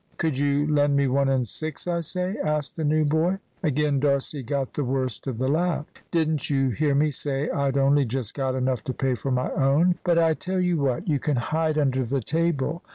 "Could you lend me one and six, I say?" asked the new boy. Again D'Arcy got the worst of the laugh. "Didn't you hear me say I'd only just got enough to pay for my own? But I tell you what; you can hide under the table.